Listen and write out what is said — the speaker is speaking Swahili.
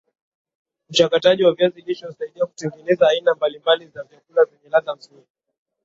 uchakataji wa viazi lishe husaidia Kutengeneza aina mbali mbali za vyakula zenye ladha nzuri